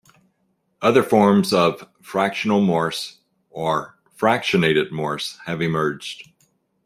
Other forms of 'Fractional Morse' or 'Fractionated Morse' have emerged.